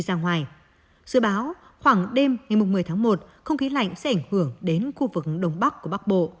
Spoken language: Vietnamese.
dự báo khoảng đêm ngày một mươi tháng một không khí lạnh sẽ ảnh hưởng đến khu vực đông bắc của bắc bộ